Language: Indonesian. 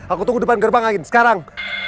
aku tunggu depan gerbang angin sekarang